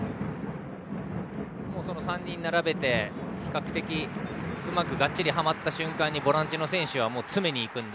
３人並べて比較的うまくがっちりとはまった瞬間にボランチの選手が詰めに行くので。